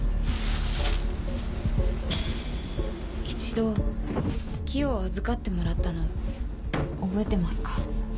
一度キヨを預かってもらったの覚えてますか？